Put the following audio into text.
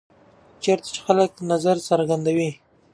چېرته خلک خپل نظر څرګندوي؟